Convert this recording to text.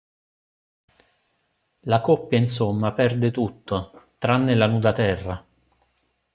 La coppia insomma perde tutto, tranne la nuda terra.